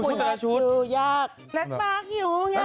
ไม่แรดอยู่ยากแรดมากอยู่ง่าย